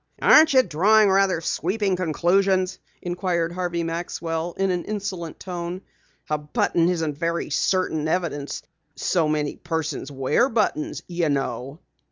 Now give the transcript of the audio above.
"Aren't you drawing rather sweeping conclusions?" inquired Harvey Maxwell in an insolent tone. "A button isn't very certain evidence. So many persons wear buttons, you know."